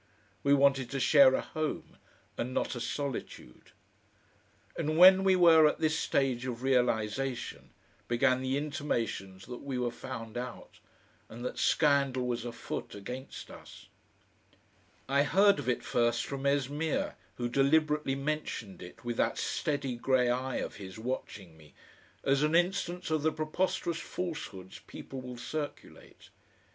We wanted to share a home, and not a solitude. And when we were at this stage of realisation, began the intimations that we were found out, and that scandal was afoot against us.... I heard of it first from Esmeer, who deliberately mentioned it, with that steady grey eye of his watching me, as an instance of the preposterous falsehoods people will circulate.